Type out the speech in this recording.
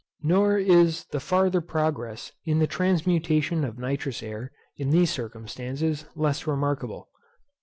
Nor is the farther progress in the transmutation of nitrous air, in these circumstances, less remarkable.